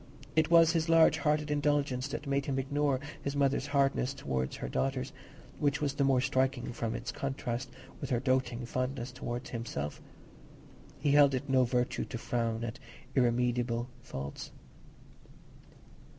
It was his large hearted indulgence that made him ignore his mother's hardness towards her daughters, which was the more striking from its contrast with her doting fondness towards himself; he held it no virtue to frown at irremediable faults.